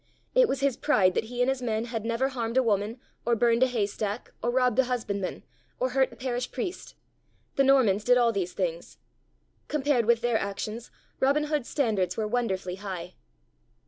It was his pride that he and his men had never harmed a woman, or burned a haystack, or robbed a husbandman, or hurt a parish priest. The Normans did all these things. Compared with their actions, Robin Hood's standards were wonderfully high.